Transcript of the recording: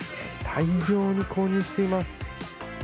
大量に購入しています。